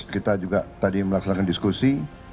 kita juga tadi melaksanakan diskusi